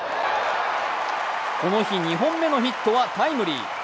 この日、２本目のヒットはタイムリー。